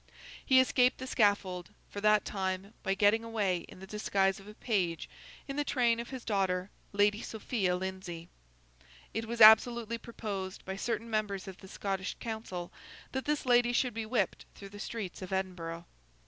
He escaped the scaffold, for that time, by getting away, in the disguise of a page, in the train of his daughter, Lady Sophia Lindsay. It was absolutely proposed, by certain members of the Scottish Council, that this lady should be whipped through the streets of Edinburgh.